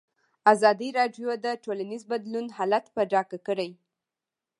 ازادي راډیو د ټولنیز بدلون حالت په ډاګه کړی.